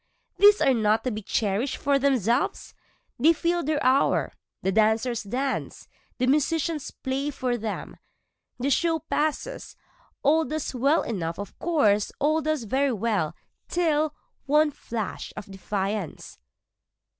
Away! these are not to be cherish'd for themselves, They fill their hour, the dancers dance, the musicians play for them, The show passes, all does well enough of course, All does very well till one flash of defiance.